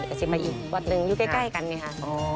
จะสิไปอีกวัดนึงยูปใกล้กันดีค่ะ